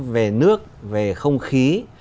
về nước về không khí